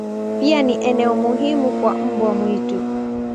Pia ni eneo muhimu kwa mbwa mwitu.